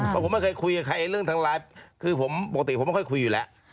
เพราะผมไม่เคยคุยกับใครเรื่องทางไลน์คือผมปกติผมไม่ค่อยคุยอยู่แล้ว